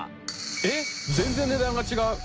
えっ全然値段が違う！